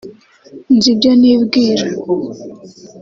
Nzibyo Nibwira